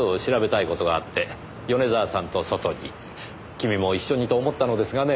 君も一緒にと思ったのですがねえ。